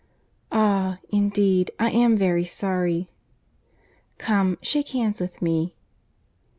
"Ah!—Indeed I am very sorry.—Come, shake hands with me."